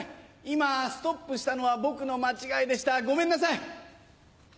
今ストップしたのは僕の間違いでしたごめんなさい。